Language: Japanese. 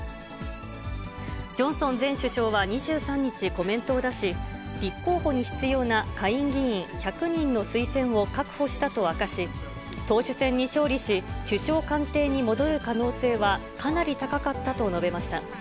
ジョンソン前首相は２３日、コメントを出し、立候補に必要な下院議員１００人の推薦を確保したと明かし、党首選に勝利し、首相官邸に戻る可能性はかなり高かったと述べました。